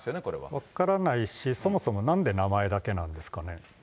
分からないし、そもそもなんで名前だけなんですかね。